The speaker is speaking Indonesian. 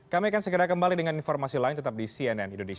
kami akan segera kembali dengan informasi lain tetap di cnn indonesia